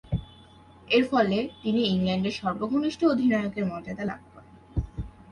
এরফলে তিনি ইংল্যান্ডের সর্বকনিষ্ঠ অধিনায়কের মর্যাদা লাভ করেন।